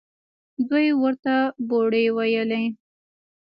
دوى ورته بوړۍ ويله.